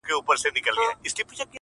• نوره به دي زه له ياده وباسم؛